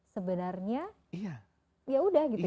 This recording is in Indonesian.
sebenarnya ya sudah gitu ya